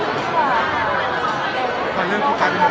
เข้าใจเลี้ยงของระบบกัน